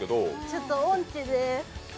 ちょっと音痴で。